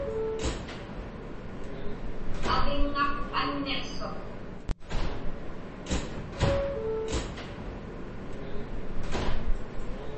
Aviŋŋaq anniqsuq.